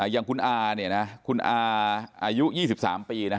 อย่างคุณอาอายุ๒๓ปี